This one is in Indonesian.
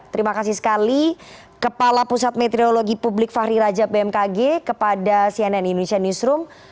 terima kasih sekali kepala pusat meteorologi publik fahri rajab bmkg kepada cnn indonesia newsroom